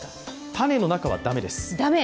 種の中は、だめです。